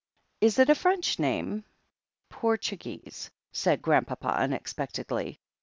Is it a French name?" "Portuguese," said Grandpapa unexpectedly.